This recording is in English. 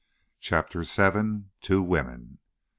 CHAPTER VII. TWO WOMEN.